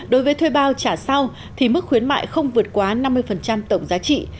đối với thuê bao trả sau thì mức khuyến mại không vượt quá năm mươi tổng giá trị